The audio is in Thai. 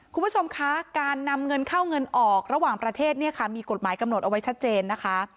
คุณผู้ชมคะการนำเงินเข้าเงินออกระหว่างประเทศเนี่ยค่ะมีกฎหมายกำหนดเอาไว้ชัดเจนนะคะ